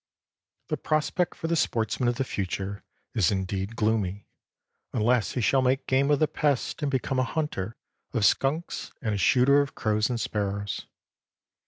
The prospect for the sportsman of the future is indeed gloomy, unless he shall make game of the pests and become a hunter of skunks and a shooter of crows and sparrows.